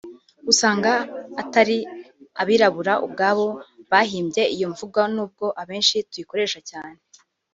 usanga atari abirabura ubwabo bahimbye iyo mvugo n’ubwo abenshi tuyikoresha cyane